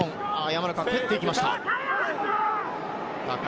山中、蹴っていきました。